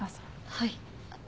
はい。